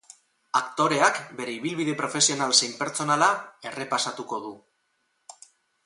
Aktoreak bere ibilbide profesional zein pertsonala errepasatuko du.